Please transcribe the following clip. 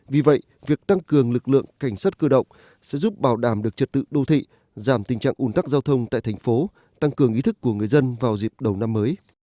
vì vậy việc tăng cường lực lượng cảnh sát cơ động sẽ giúp bảo đảm được trật tự đô thị giảm tình trạng ủn tắc giao thông tại thành phố tăng cường ý thức của người dân vào dịp đầu năm mới